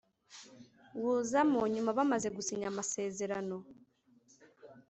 wuzamo nyuma Bamaze gusinya amasezerano